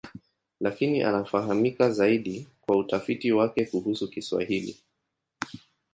Lakini anafahamika zaidi kwa utafiti wake kuhusu Kiswahili.